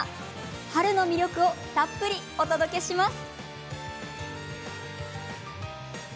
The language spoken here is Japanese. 春の魅力をたっぷりお届けします。